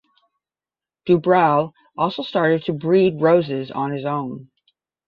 Dubreuil also started to breed roses on his own.